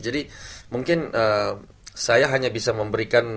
jadi mungkin saya hanya bisa memberikan